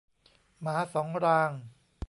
หมาสองราง